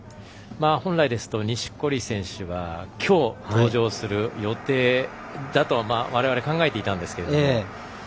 本来ですと錦織選手はきょう登場する予定だとわれわれ考えていたんですけれども。